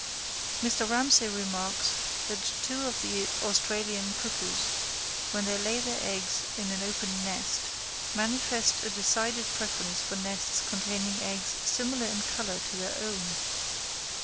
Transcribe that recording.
Mr. Ramsay remarks that two of the Australian cuckoos, when they lay their eggs in an open nest, manifest a decided preference for nests containing eggs similar in colour to their own.